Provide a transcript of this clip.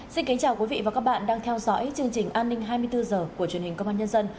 xin kính chào quý vị và các bạn đang theo dõi chương trình an ninh hai mươi bốn h của truyền hình công an nhân dân